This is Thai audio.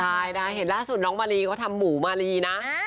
ใช่นะเห็นล่าสุดน้องมารีเขาทำหมูมารีนะ